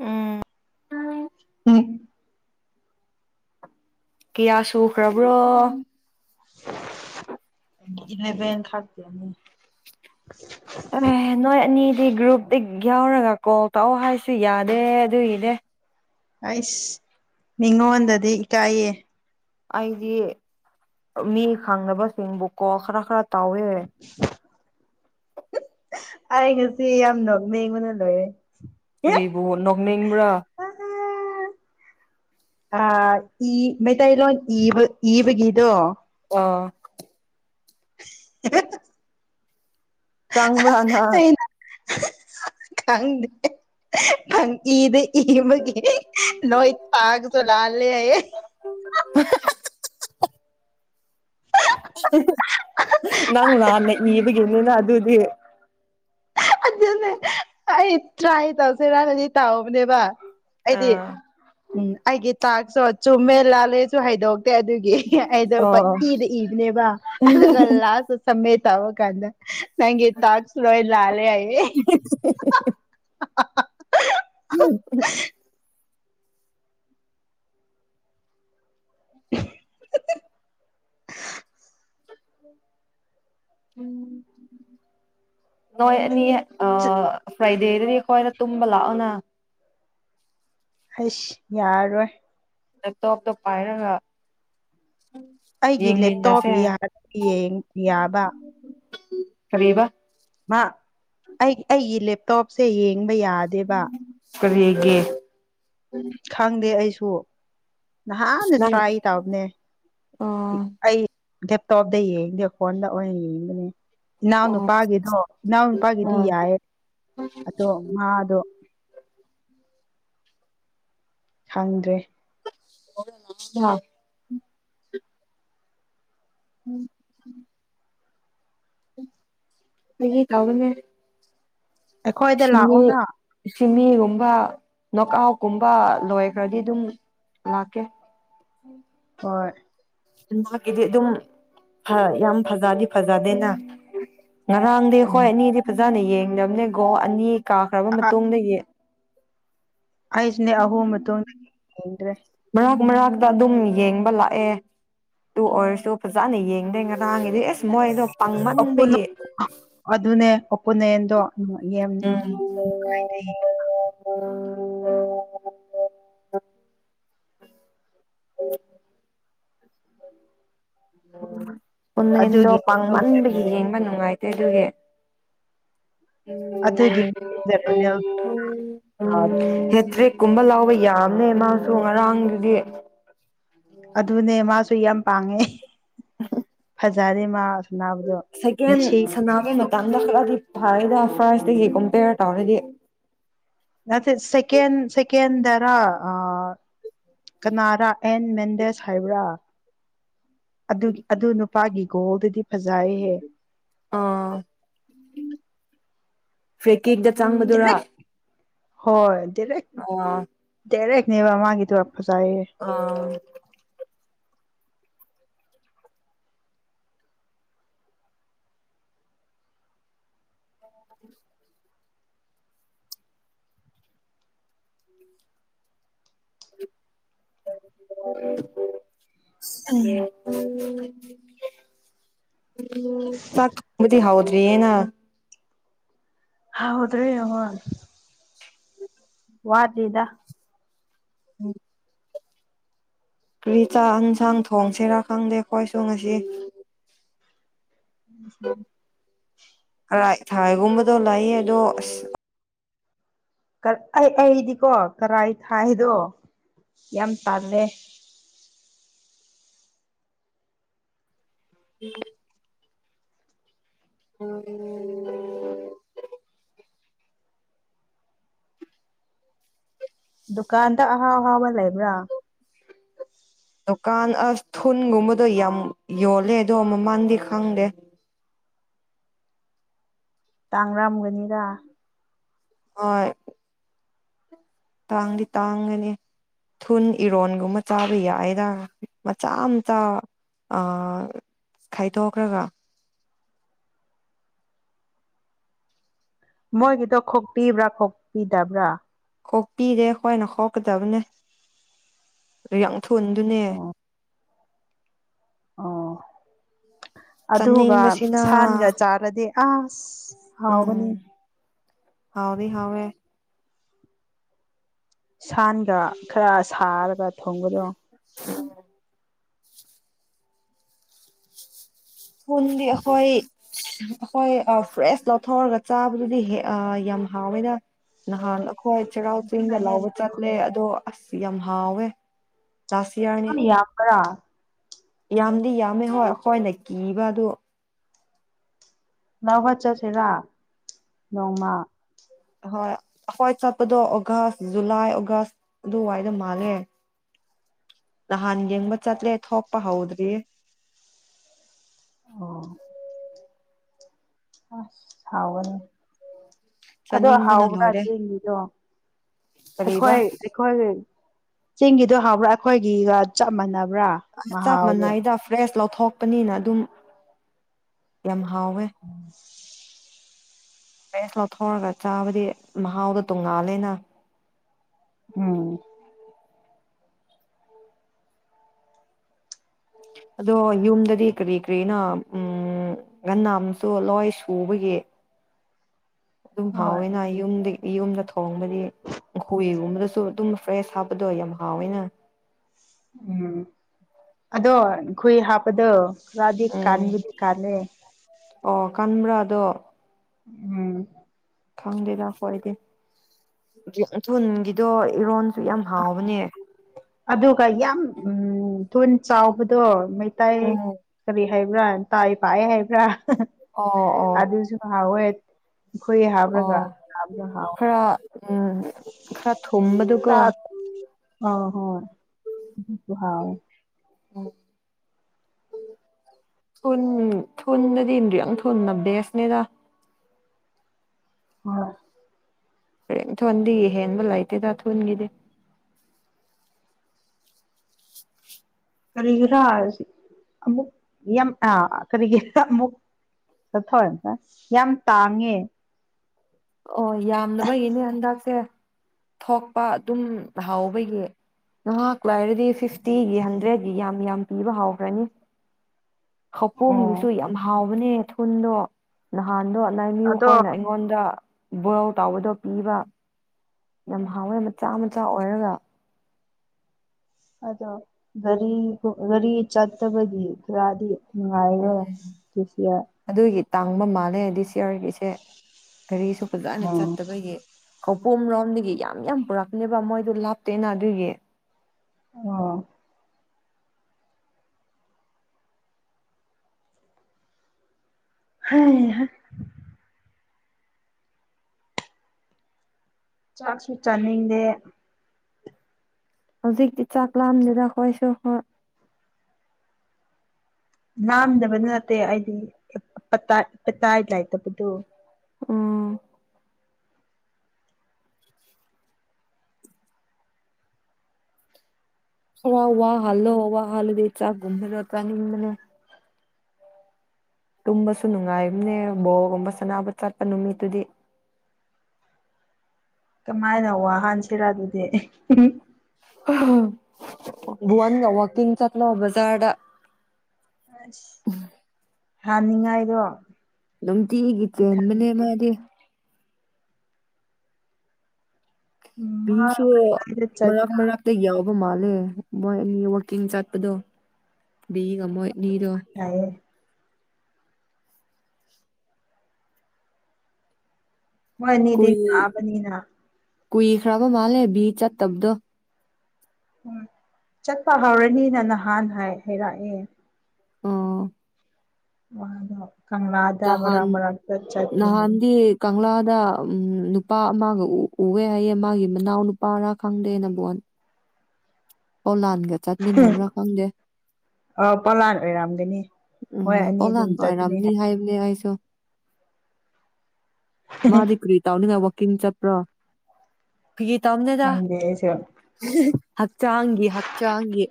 ꯎꯝ ꯎꯝ ꯀꯤꯌꯥ ꯁꯨꯈ꯭ꯔꯕ꯭ꯔꯣ ꯏꯂꯕꯦꯟ ꯈꯛꯇꯅꯤ ꯑ ꯅꯣꯏ ꯑꯅꯤ ꯍꯥꯏꯗꯤ ꯒ꯭ꯔꯨꯞꯇ ꯌꯥꯎꯔꯒ ꯀꯣꯜ ꯇꯧꯑꯣ ꯍꯥꯏꯁꯨ ꯌꯥꯗꯦ ꯑꯗꯨꯒꯤꯅꯦ ꯑꯩꯁ ꯃꯤꯉꯣꯟꯗꯗꯤ ꯏꯀꯥꯏꯌꯦ ꯑꯩꯗꯤ ꯃꯤ ꯈꯪꯅꯕꯁꯤꯡꯕꯨꯀꯣ ꯈꯔ ꯈꯔ ꯇꯥꯎꯋꯦ ꯑꯩ ꯉꯁꯤ ꯌꯥꯝ ꯅꯣꯛꯅꯤꯡꯕꯅ ꯂꯣꯏꯔꯦ ꯀꯔꯤꯕꯨ ꯅꯣꯛꯅꯤꯡꯕ꯭ꯔꯥ ꯑ ꯃꯩꯇꯩꯂꯣꯟ ꯏꯕ ꯏꯕꯒꯤꯗꯣ ꯑ [unintelligible] ꯆꯥꯡꯕ꯭ꯔꯥ ꯅꯪ ꯈꯪꯪꯗꯦ ꯏꯗꯤ ꯏꯕꯒꯤ ꯂꯣꯏ ꯊꯥꯕꯗ ꯂꯥꯜꯂꯦ ꯍꯥꯌꯦ ꯅꯪ ꯂꯥꯟꯅ ꯏꯕꯒꯤꯅꯤꯅ ꯑꯗꯨꯗꯤ ꯑꯗꯨꯅꯦ ꯑꯩ ꯇꯔ꯭ꯥꯏ ꯇꯧꯁꯦꯔꯅꯗꯤ ꯇꯧꯕꯅꯦꯕ ꯑꯩꯗꯤ ꯑꯣ ꯎꯝ ꯑꯩꯒꯤ ꯇꯥꯛꯁꯇꯣ ꯆꯨꯝꯃꯦ ꯂꯥꯜꯂꯦꯁꯨ ꯍꯥꯏꯗꯣꯛꯇꯦ ꯑꯗꯨꯒꯤ ꯑꯩꯗꯣ ꯄꯏꯗ ꯏꯕꯅꯦꯕ ꯑꯗꯨꯒ ꯂꯥꯁꯇ ꯁꯝꯃꯤꯠ꯫ ꯇꯧꯕ ꯀꯥꯟꯗ꯫ ꯅꯪꯒꯤ ꯇꯥꯛꯁ ꯂꯣꯏ ꯂꯥꯜꯂꯦ ꯍꯥꯏ꯫ [unintelligible] [unintelligible] [unintelligible] ꯅꯣꯏ ꯑꯅꯤ꯫ ꯑꯣ꯫ ꯐ꯭ꯔꯥꯏꯗꯦꯗꯗꯤ ꯑꯩꯈꯣꯏꯗ ꯇꯨꯝꯕ ꯂꯥꯛꯑꯣꯅ꯫ ꯏꯁ ꯌꯥꯔꯣꯏ꯫ ꯂꯦꯞꯇꯣꯞꯇꯣ ꯄꯥꯏꯔꯒ꯫ ꯑꯩꯒꯤ ꯂꯦꯞꯇꯣꯞ ꯌꯦꯡꯃꯤꯟꯅꯁꯦ ꯌꯥ ꯌꯦꯡ ꯌꯥꯕ꯫ ꯀꯔꯤꯕꯥ꯫ ꯃꯥ ꯑꯩ ꯑꯩꯒꯤ ꯂꯦꯞꯇꯣꯞꯁꯦ ꯌꯦꯡ꯫ [unintelligible] ꯌꯥꯗꯦꯕ꯫ ꯀꯔꯤꯒꯤ꯫ ꯈꯥꯡꯗꯦ ꯑꯩꯁꯨ꯫ [inaudible] ꯅꯍꯥꯟꯅ ꯅꯪ ꯇ꯭ꯔꯥꯏ ꯇꯕꯅꯦ ꯑꯣ ꯑꯩ꯫ ꯂꯦꯞꯇꯣꯞꯗ ꯌꯦꯡꯗꯦ ꯐꯣꯟꯗ ꯌꯦꯡꯕꯅꯦ꯫ ꯑꯣ ꯏꯅꯥꯎꯅꯨꯄꯥꯒꯤꯗꯣ ꯏꯅꯥꯎꯅꯄꯥꯒꯤꯗꯤ ꯑ ꯌꯥꯏꯌꯦ ꯑꯗꯣ ꯃꯥꯗꯣ꯫ ꯈꯪꯗ꯭ꯔꯦ꯫ [unintelligible] [inaudible] ꯐꯒꯤ ꯇꯧꯕꯅꯦ꯫ ꯑꯩꯈꯣꯏꯗ ꯁꯤꯃꯤ ꯂꯥꯛꯑꯣꯅ ꯁꯤꯃꯤ ꯒꯨꯝꯕ ꯅꯣꯀꯥꯎꯀꯨꯝꯕ ꯂꯣꯏꯈ꯭ꯔꯗꯤ ꯑꯗꯨꯝ ꯂꯥꯛꯀꯦ꯫ ꯍꯣꯏ꯫ ꯃꯍꯥꯛꯀꯤꯗꯤ ꯑꯗꯨꯝ ꯐ ꯌꯥꯝ ꯐꯖꯗꯤ ꯐꯖꯗꯦꯅ꯫ ꯉꯔꯥꯡꯗꯤ ꯈꯣꯏ ꯎꯝ ꯑꯅꯤꯗꯤ ꯐꯖꯥꯅ ꯌꯦꯡ ꯌꯦꯡꯗꯕꯅꯦ ꯒꯣ ꯑꯅꯤ꯫ ꯀꯥꯈ꯭ꯔꯕ ꯃꯇꯨꯡꯗꯒꯤ꯫ ꯑꯩꯁꯨꯅꯦ ꯑꯍꯨꯝ ꯃꯇꯨꯡꯗꯒꯤ ꯌꯦꯡꯗ꯭ꯔꯦ꯫ ꯃꯔꯛ ꯃꯔꯛꯇ ꯑꯗꯨꯝ ꯌꯦꯡꯕ ꯂꯥꯛꯑꯦ ꯑꯗꯨ ꯑꯣꯏꯔꯁꯨ ꯐꯖꯅ ꯌꯦꯡꯗꯦ ꯉꯔꯥꯡꯒꯤꯗꯤ ꯏꯁ ꯃꯣꯏꯗꯣ꯫ ꯄꯥꯡꯃꯟꯕꯒꯤ [unintelligible] ꯑꯗꯨꯅꯦ꯫ ꯄꯨꯅꯦꯟꯗꯣ꯫ [inaudible] [inaudible] [inaudible] ꯑꯣ [inaudible] [inaudible] ꯎꯟꯗꯣ ꯑꯗꯨꯒꯤ ꯃꯇꯨꯡꯗ ꯄꯥꯡꯃꯟꯕꯒꯤ ꯌꯦꯡꯕ ꯅꯨꯡꯉꯥꯏ ꯗꯨꯒꯦ ꯑꯗꯨꯒꯤ ꯍꯦꯠꯇꯔꯤ ꯀꯨꯝꯕ ꯂꯧꯕ ꯌꯥꯝꯅꯦ ꯃꯥꯁꯨ ꯉꯔꯥꯡꯗꯨꯗꯤ ꯑꯗꯨꯅꯦ ꯃꯥꯁꯨ ꯌꯥꯝ ꯄꯥꯡꯉꯦ [unintelligible] ꯖꯥꯔꯤ ꯁꯀꯦꯟ ꯁꯅꯥꯅꯕ ꯃꯇꯝꯗ ꯈꯔꯗꯤ꯫ ꯐꯥꯏꯗ ꯐ꯭ꯔꯥꯏꯁꯇꯀꯨꯝ ꯊꯤꯅ ꯇꯧꯔꯥꯗꯤ ꯅꯠꯇꯦ ꯁꯦꯀꯦꯟ ꯁꯦꯀꯦꯟꯗꯔꯥ ꯑꯥ ꯀꯅꯥꯔꯥ ꯑꯦꯟ ꯃꯦꯟꯗꯦꯁ ꯍꯥꯏꯕ꯭ꯔꯥ ꯑꯗꯨ ꯑꯗꯨ ꯅꯨꯄꯥꯒꯤ ꯒꯣꯜꯗꯨꯗꯤ ꯐꯖꯩꯍꯦ꯫ ꯑꯥ ꯐꯤ ꯀꯦꯛꯇ ꯆꯥꯡꯕꯗꯨꯔꯥ ꯗꯥꯏꯔꯦꯛ ꯍꯣꯏ ꯗꯔꯦꯛ ꯇꯦꯔꯦꯛꯅꯤꯕ ꯃꯥꯒꯤꯗꯣ ꯐꯖꯩꯌꯦ ꯑꯥ [inaudible] ꯆꯥꯛ ꯊꯣꯡꯕꯗꯤ ꯍꯥꯎꯗ꯭ꯔꯤꯅ ꯍꯥꯎꯇꯥ ꯌꯦꯉꯦ ꯋꯥꯠꯂꯤꯗ ꯎꯝ ꯀꯔꯤ ꯆꯥꯛ ꯌꯦꯟꯁꯥꯡ ꯊꯣꯡꯁꯤ ꯔꯥ ꯈꯪꯗꯦ ꯑꯩꯈꯣꯏꯁꯨ ꯉꯁꯤ ꯎ [unintelligible] ꯊꯥꯏꯒꯨꯝꯕꯗꯣ ꯂꯥꯛꯑ ꯑꯗꯣ ꯑꯁ ꯑꯩ ꯑꯩꯗꯤꯀꯣ ꯀꯔꯥꯏ ꯊꯥꯏꯗꯣ ꯌꯥꯝ ꯇꯜꯂꯦ ꯎꯝ ꯎꯝ [unintelligible] ꯗꯨꯀꯥꯟꯗ ꯑꯍꯥꯎ ꯑꯍꯥꯎꯕ ꯂꯩꯕ꯭ꯔꯥ꯫ ꯗꯨꯀꯥꯟ ꯑꯁ ꯊꯨꯟꯒꯨꯝꯕꯗꯣ ꯌꯥꯝ ꯌꯣꯜꯂꯦ ꯑꯗꯣ ꯃꯃꯜꯗꯤ ꯈꯪꯗꯦ꯫ ꯇꯥꯡꯔꯝꯒꯅꯤꯔ ꯍꯣꯏ ꯇꯥꯡꯗꯤ ꯇꯥꯡꯒꯅꯤ ꯊꯨꯟ ꯏꯔꯣꯟꯒꯨꯝꯕ ꯆꯥꯕ ꯌꯥꯏꯗ ꯃꯆꯥ ꯃꯆꯥ ꯈꯥꯏꯗꯣꯛꯈ꯭ꯔꯒ ꯃꯣꯏꯒꯤꯗꯣ ꯈꯣꯛꯄꯤꯕ꯭ꯔꯥ ꯈꯣꯛꯄꯤꯗꯕ꯭ꯔꯥ ꯀꯣꯛꯄꯤꯔꯦ ꯑꯩꯈꯣꯏꯅ ꯍꯥꯎꯀꯗꯕꯅꯦ ꯊꯨꯟꯗꯨꯅꯦ ꯑꯣ ꯑꯣ ꯑꯗꯨꯒ ꯆꯥꯅꯤꯡꯕꯁꯤꯅ ꯁꯥꯟꯒ ꯆꯥꯔꯗꯤ ꯑꯁ ꯍꯥꯎꯒꯅꯤ ꯎꯝ ꯍꯥꯎꯗꯤ ꯍꯥꯎꯋꯦ ꯁꯥꯟꯒ ꯈꯔ ꯁꯥꯔꯒ ꯊꯣꯡꯒ꯭ꯔ [unintelligible] ꯍꯟꯗꯤ ꯑꯩ ꯍꯣꯏ ꯑꯩꯈꯣꯏ ꯐ꯭ꯔꯦꯁ ꯂꯧꯊꯣꯛꯔꯒ ꯆꯥꯕꯗꯨꯗꯤ ꯌꯥꯝ ꯍꯥꯎꯋꯦꯅ ꯅꯍꯥꯟ ꯍꯣꯏ ꯆꯩꯔꯥꯎ ꯑꯗꯨꯅ ꯆꯤꯡꯗ ꯂꯥꯎꯧꯕ ꯍꯦꯟꯅ ꯆꯠꯂꯦ ꯑꯗꯣ ꯑꯁ ꯌꯥꯝ ꯍꯥꯎꯋꯦ ꯂꯥꯁ ꯌꯥꯔꯅꯤ ꯅꯤ ꯌꯥꯝ ꯀꯔ ꯌꯥꯝꯗꯤ ꯌꯥꯝꯃꯦ ꯍꯣꯏ ꯑꯩꯈꯣꯏꯅ ꯀꯤꯕ ꯑꯗꯨ ꯂ ꯍꯠ ꯆꯠꯁꯤꯔ ꯅꯣꯡꯃ ꯍꯣꯏ ꯍꯣꯏ ꯆꯠꯄꯗꯣ ꯑꯣꯒꯁ ꯖꯨꯂꯥꯏ ꯑꯣꯒꯁ ꯑꯗꯨꯋꯥꯏꯗ ꯃꯥꯜꯂꯦ ꯅꯍꯥꯟ ꯌꯦꯡꯕ ꯆꯠꯂꯦ ꯊꯣꯛꯄ ꯍꯧꯗ꯭ꯔꯤ ꯑ [inaudible] ꯑ ꯊꯥꯎꯅꯤ ꯑꯗꯣ ꯆꯥꯅꯤꯡꯕꯅ ꯍꯥꯎꯕ꯭ꯔꯥ ꯂꯣꯏꯔꯦ ꯆꯦꯡꯅꯤꯗꯣ ꯀꯔꯤꯕ ꯑꯩꯈꯣꯏ ꯑꯩꯈꯣꯏ ꯆꯤꯡꯒꯤꯗꯣ ꯍꯕ꯭ꯔꯥ ꯑꯩꯈꯣꯏꯒꯤꯒ ꯆꯞ ꯃꯥꯟꯅꯕ ꯑ ꯆꯞ ꯃꯅꯥ ꯏꯗ ꯐ꯭ꯔꯦꯁ ꯂꯧꯊꯣꯛꯄꯅꯤꯅ ꯑꯗꯨꯝ ꯌꯥꯝ ꯍꯋꯦ [unintelligible] ꯕꯦꯁ ꯂꯧꯊꯣꯛꯔꯒ ꯆꯥꯕꯗꯤ ꯃꯍꯥꯎꯗꯣ ꯇꯣꯡꯉꯥꯜꯂꯦꯅ ꯎꯝ ꯑꯗꯣ ꯌꯨꯝꯗꯗꯤ ꯀꯔꯤ ꯀꯔꯤꯅꯣ ꯎꯝ ꯉꯟꯅ ꯑꯃꯁꯨ ꯂꯣꯏ ꯁꯨꯕꯒꯤ ꯑꯗꯨꯝ ꯍꯣꯏ ꯐꯥꯎꯋꯦꯅ ꯑꯩ ꯌꯨꯝꯗꯤ ꯏ ꯌꯨꯝꯗ ꯈꯕꯗꯤ ꯍꯧꯏꯒꯨꯝꯕꯗꯁꯨ ꯑꯗꯨꯝ ꯐ꯭ꯔꯦꯁ ꯍꯥꯞꯄꯗꯣ ꯌꯥꯝ ꯍꯥꯎꯋꯦꯅ ꯎꯝ ꯑꯗꯣ ꯈꯣꯏ ꯍꯥꯞꯄꯗꯣ ꯁꯀ꯭ꯔꯙ ꯎꯝ ꯀꯥꯥꯟꯕꯨꯗꯤ ꯀꯂꯦ ꯑꯣ ꯀꯟꯕ꯭ꯔꯥ ꯑꯗꯣ ꯎꯝ ꯈꯪꯗꯦꯗ ꯐꯣꯏꯗꯤ ꯊꯨꯜꯒꯤꯗꯣ ꯏꯔꯣꯟ ꯁꯨ ꯌꯥꯝ ꯍꯥꯎꯕꯅꯦ ꯑꯗꯨꯒ ꯌꯥꯝ ꯎ ꯊꯨꯅ ꯆꯥꯎꯕꯗꯣ ꯎꯝ ꯀꯔꯤ ꯍꯩꯕ꯭ꯔꯥ ꯑꯦꯟ ꯇ ꯄꯌꯦ ꯍꯥꯏꯩꯕ꯭ꯔꯥ ꯑꯣ ꯑꯣ ꯑꯗꯨꯁꯨ ꯍꯣꯏ ꯑꯩꯈꯣꯏ ꯍꯥꯞꯕ꯭ꯔꯒ ꯑꯣ ꯍꯥꯕꯒ ꯍꯥꯎꯋ ꯈꯔ ꯎꯝ ꯈꯔ ꯊꯨꯝꯕꯗꯨꯀꯣ ꯑ ꯍꯣꯏ ꯄꯨ ꯍꯥꯥꯎꯋꯦ ꯊꯨꯝ ꯊꯨꯝꯅꯗꯤ ꯌꯥꯝ ꯐꯕꯅꯦ ꯕꯦꯁꯅꯤꯗ ꯍꯣꯏ ꯍꯔꯦꯟ ꯊꯣꯟꯗꯤ ꯍꯦꯟꯕ ꯂꯩꯇꯦꯗ ꯊꯨꯟꯒꯤꯗꯤ ꯀꯔꯤꯒꯤꯔꯥ ꯑꯃꯨꯛ ꯌꯥꯝ ꯀꯔꯤꯒꯤꯔꯥ ꯑꯃꯨꯛ ꯆꯠꯊ ꯌꯥꯝ ꯇꯥꯡꯉꯦ ꯑꯣ ꯌꯥꯝꯗꯕꯒꯤꯅꯦ ꯍꯟꯗꯛꯁꯦ ꯊꯣꯛꯄ ꯑꯗꯨꯝ ꯍꯥꯎꯕꯒꯤ ꯉꯍꯥꯛ ꯥꯏꯔꯗꯤ ꯐꯤꯐꯇꯤꯒꯤ ꯍꯟꯗ꯭ꯔꯦꯗꯀꯤ ꯌꯥꯝ ꯌꯥꯝ ꯄꯤꯕ ꯍꯧꯥꯎꯈ꯭ꯔꯅꯤ ꯑꯣ ꯈꯧꯄꯨꯝꯗꯨꯁꯨ ꯌꯥꯝ ꯍꯥꯎꯕꯅꯦ ꯊꯨꯟꯗꯣ ꯅꯍꯥꯟꯗꯣ ꯑꯗꯣ ꯅꯤꯌꯨꯈꯣꯏꯅ ꯑꯩꯉꯣꯟꯗ ꯕꯣꯏꯜ ꯇꯧꯕꯗꯣ ꯄꯤꯕ ꯌꯥꯝ ꯍꯥꯎꯋꯦ ꯃꯆꯥ ꯃꯆꯥ ꯑꯣꯏꯔꯒ ꯑꯗꯣ ꯒꯥꯔꯤ ꯒꯥꯔꯤ ꯆꯠꯇꯕꯒꯤ ꯈꯔꯗꯤ ꯎꯝ ꯅꯨꯡꯉꯥꯏꯔꯦ ꯁꯤꯌꯥ ꯑꯗꯨꯒꯤ ꯇꯥꯡꯕ ꯃꯥꯜꯂꯦ ꯍꯥꯏꯗꯤ ꯁꯤꯌꯔꯒꯤꯁꯦ ꯒꯥꯔꯤꯁꯨ ꯐꯖꯅ ꯎꯝ ꯆꯠꯇꯕꯒꯤ ꯈꯧꯄꯨꯝꯔꯣꯝꯗꯒꯤ ꯌꯥꯝ ꯌꯥꯝ ꯄꯨꯔꯛꯄꯅꯦꯕ ꯃꯣꯏꯗꯨ ꯂꯥꯞꯇꯦꯅ ꯑꯗꯨꯒꯤ ꯑ ꯍꯩ ꯍꯥ ꯆꯥꯛꯁꯨ ꯆꯥꯅꯤꯡꯗꯦ ꯍꯧꯖꯤꯛꯇꯤ ꯆꯥꯛꯂꯥꯝꯗꯦꯗ ꯑꯩꯈꯣꯏꯁꯨ ꯍꯣꯏ ꯂꯥꯝꯗꯕꯗꯤ ꯅꯠꯇꯦ ꯑꯩꯗꯤ ꯑꯦꯄꯇꯥꯏꯞ ꯄꯇꯥꯏꯞ ꯂꯩꯥꯇꯕꯗꯨ ꯎꯝ ꯈꯔ ꯋꯥꯍꯜꯂꯣ ꯋꯥꯍꯜꯂꯗꯤ ꯆꯥꯛ ꯀꯨꯝꯕꯗꯣ ꯆꯥꯅꯤꯡꯕꯅꯦ ꯇꯨꯝꯕꯁꯨ ꯅꯨꯡꯉꯥꯏꯕꯅꯦ ꯕꯣꯜꯒꯨꯝꯕ ꯁꯅꯥꯕ ꯆꯠꯄ ꯅꯨꯃꯤꯠꯇꯨꯗꯤ ꯀꯃꯥꯏꯅ ꯋꯥꯍꯥꯟꯁꯤꯔ ꯑꯗꯨꯗꯤ ꯨꯋꯥꯟꯒ ꯋꯥꯀꯤꯡ ꯆꯠ ꯂꯣ ꯕꯖꯥꯔꯗ ꯑꯁ ꯍꯥꯅꯤꯡꯉꯥꯏꯗꯣ ꯅꯨꯡꯇꯤꯒꯤ ꯆꯦꯟꯕꯅꯦ ꯃꯥꯗꯤ ꯃꯣꯏ ꯃꯤꯕꯤꯁꯨ ꯃꯔꯛ ꯃꯔꯛ ꯇ ꯌꯥꯎ ꯃꯥꯜꯂꯦ ꯃꯣꯏ ꯑꯅꯤ ꯋꯥꯛꯀꯤꯡ ꯆꯠꯄꯗꯣ ꯕꯤꯒ ꯃꯣꯏ ꯑꯅꯤꯗꯣ ꯃꯣꯏ ꯑꯅꯤꯗꯤ ꯀꯨꯏ ꯌꯥꯕꯅꯤꯅ ꯀꯨꯏꯈ꯭ꯔꯕ ꯃꯥꯜꯂꯦ ꯕꯤ ꯆꯠꯇꯕꯗꯣ꯫ ꯎꯝ ꯆꯠꯄ ꯍꯧꯎꯔꯅꯤꯅ ꯅꯍꯥꯟ ꯍꯥꯏꯔꯛꯑꯦ꯫ ꯑꯣ꯫ ꯋꯥꯗꯣ꯫ ꯀꯪꯂꯥꯗ ꯅꯍꯥꯟ ꯃꯔꯛ ꯃꯔꯛꯇ ꯆꯠꯀꯅꯤ꯫ ꯗ ꯎꯝ ꯅꯨꯄꯥ ꯑꯃꯒ ꯎꯋꯦ ꯍꯥꯏꯌꯦ ꯃꯥꯒꯤ ꯃꯅꯥꯎ ꯅꯨꯄꯥꯔ ꯈꯪꯗꯦ ꯅꯝꯕꯣꯟ꯫ ꯑꯣꯂꯥꯟ꯫ ꯎꯝ ꯑꯄꯂꯥꯟ ꯑꯣꯏꯔꯝꯒꯅꯤ꯫ ꯎ ꯃꯣꯏ ꯑꯅꯤ ꯑꯗꯨꯝ ꯑꯣꯂꯥꯟ ꯆꯠꯄꯅꯤ ꯑꯣꯏꯔꯝꯅꯤ ꯍꯥꯏ ꯍꯥꯏꯕꯅꯦ ꯑꯩꯁꯨ꯫ ꯃꯥꯗꯤ ꯀ꯭ꯔꯤ ꯇꯧꯅꯤꯉꯥꯏ ꯋꯥ ꯀꯤꯡ ꯆꯄ꯭ꯔꯣ꯫ ꯐꯒꯤ ꯇꯝꯅꯦꯗ꯫ ꯈꯪꯗꯦ ꯑꯩꯁꯨ ꯍꯛꯆꯥꯡꯒꯤ ꯍꯛꯆꯥꯡꯒꯤ꯫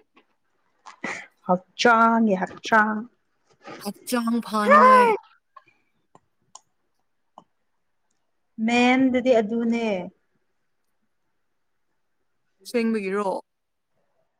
ꯍꯛꯆꯥꯡꯒꯤ ꯍꯛꯆꯥꯡ꯫ ꯍꯛꯆꯥꯡ ꯐꯅꯤꯉꯥꯏ꯫ ꯃꯦꯟꯗꯗꯤ ꯑꯗꯨꯅꯦ꯫ ꯁꯦꯡꯕꯒꯤꯔꯣ꯫